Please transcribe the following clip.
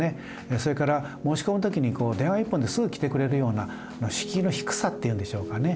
それから申し込む時に電話一本ですぐ来てくれるような敷居の低さっていうんでしょうかね。